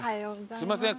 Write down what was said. すいません。